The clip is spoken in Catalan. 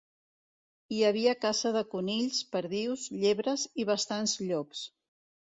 Hi havia caça de conills, perdius, llebres i bastants llops.